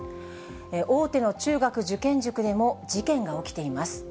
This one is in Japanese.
大手の中学受験塾でも、事件が起きています。